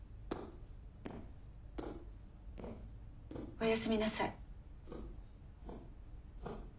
おやすみなさい。